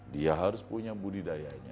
dia harus punya budidayanya